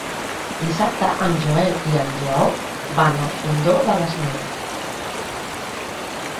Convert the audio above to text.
Dissabte en Joel i en Lleó van al Fondó de les Neus.